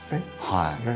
はい。